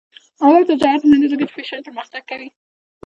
آزاد تجارت مهم دی ځکه چې فیشن پرمختګ کوي.